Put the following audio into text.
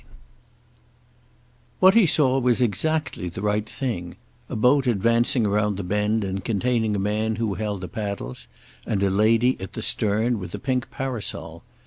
IV What he saw was exactly the right thing—a boat advancing round the bend and containing a man who held the paddles and a lady, at the stern, with a pink parasol.